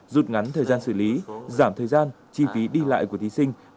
rút ngắn thời gian xử lý giảm thời gian chi phí đi lại của thí sinh